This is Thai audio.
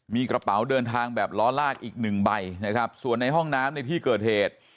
มีกระเป๋าเดินทางแบบล้อลากอีกหนึ่งใบนะครับส่วนในห้องน้ำในที่เกิดเหตุ